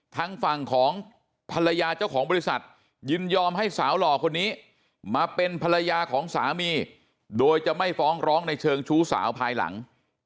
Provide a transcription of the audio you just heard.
ทางฝั่งของภรรยาเจ้าของบริษัทยินยอมให้สาวหล่อคนนี้มาเป็นภรรยาของสามีโดยจะไม่ฟ้องร้องในเชิงชู้สาวภายหลัง